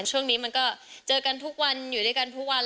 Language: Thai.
ช่วงนี้มันก็เจอกันทุกวันอยู่ด้วยกันทุกวัน